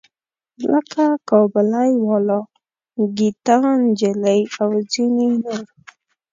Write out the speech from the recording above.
لکه کابلی والا، ګیتا نجلي او ځینې نور.